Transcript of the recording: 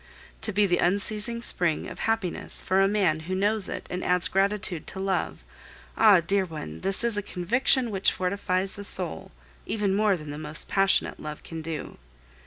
To be the unceasing spring of happiness for a man who knows it and adds gratitude to love, ah! dear one, this is a conviction which fortifies the soul, even more than the most passionate love can do.